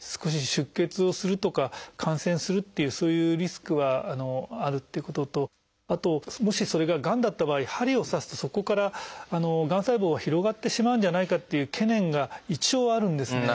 少し出血をするとか感染するっていうそういうリスクがあるっていうこととあともしそれががんだった場合針を刺すとそこからがん細胞が広がってしまうんじゃないかっていう懸念が一応あるんですね。